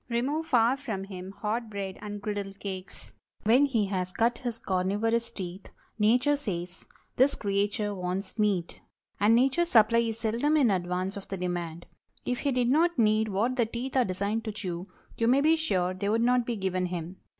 Remove far from him hot bread and griddle cakes. When he has cut his carnivorous teeth, Nature says—"This creature wants meat." And Nature's supply is seldom in advance of the demand. If he did not need what the teeth are designed to chew, you may be sure they would not be given him.